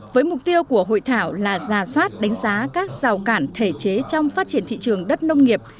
với mục tiêu của hội thảo là ra soát đánh giá các rào cản thể chế trong phát triển thị trường đất nông nghiệp